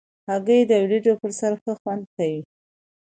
هګۍ د وریجو پر سر ښه خوند کوي.